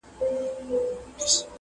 o د حاجيانو ځاى مکه ده٫